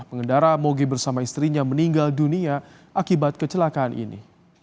pengendara moge bersama istrinya meninggal dunia akibat kecelakaan ini